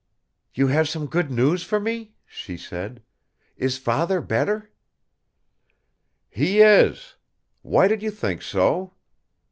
"You have some good news for me?" she said. "Is Father better?" "He is! Why did you think so?"